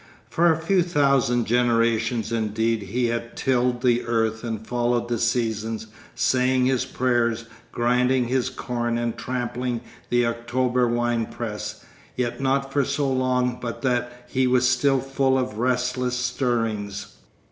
For a few thousand generations indeed he had tilled the earth and followed the seasons, saying his prayers, grinding his corn and trampling the October winepress, yet not for so long but that he was still full of restless stirrings.